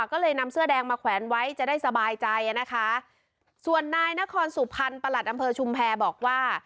ก็เลยนำเสื้อแดงมาแขวนไว้จะได้สบายใจอ่ะนะคะส่วนนายนครสุพรรณประหลัดอำเภอชุมแพรบอกว่า